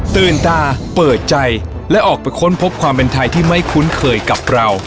ตื่นตาเปิดใจและออกไปค้นพบความเป็นไทยที่ไม่คุ้นเคยกับเรา